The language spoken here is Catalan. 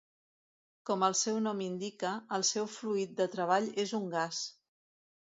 Com el seu nom indica, el seu fluid de treball és un gas.